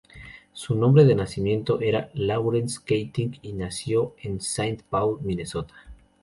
Su nombre de nacimiento era Lawrence Keating, y nació en Saint Paul, Minnesota.